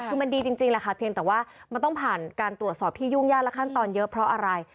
คือมันดีจริงแหละค่ะเพียงแต่ว่ามันต้องผ่านการตรวจสอบที่ยุ่งยากและขั้นตอนเยอะเพราะอะไร